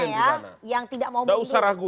menterinya ya yang tidak mau memilih kerja dalam angin